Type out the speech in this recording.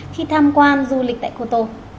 khi tham quan du lịch tại cô tô